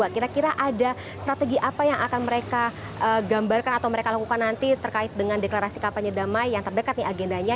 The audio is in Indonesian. kira kira ada strategi apa yang akan mereka gambarkan atau mereka lakukan nanti terkait dengan deklarasi kampanye damai yang terdekat nih agendanya